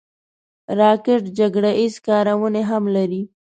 راکټ جګړه ییز کارونې هم لري